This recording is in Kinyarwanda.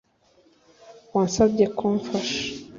Wansabye kumfasha